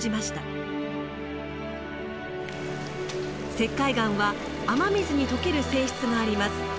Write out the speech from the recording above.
石灰岩は雨水に溶ける性質があります。